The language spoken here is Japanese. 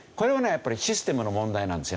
やっぱりシステムの問題なんですよ。